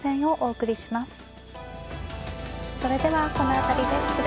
それではこの辺りで失礼します。